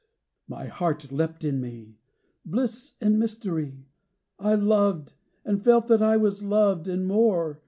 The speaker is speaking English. XV. "My heart leapt in me. Bliss and mystery! I loved! And felt that I was loved and more.